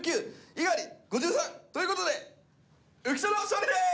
猪狩５３。ということで浮所の勝利です！